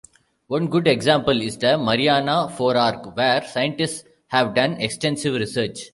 One good example is the Mariana forearc, where scientists have done extensive research.